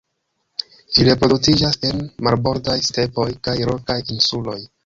Ĝi reproduktiĝas en marbordaj stepoj kaj rokaj insuloj.